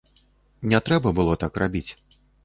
Не трэба было так рабіць.